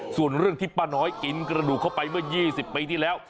ส่วนเรื่องที่ป้าน้อยกินกระดูกเข้าไปเมื่อ๒๐ปีที่แล้ว